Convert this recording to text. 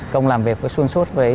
công làm việc với xuân suốt